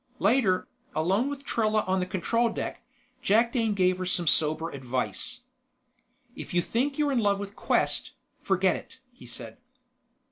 Later, alone with Trella on the control deck, Jakdane gave her some sober advice. "If you think you're in love with Quest, forget it," he said.